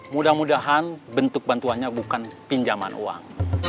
mudah mudahan bentuk bantuannya bukan pinjaman uang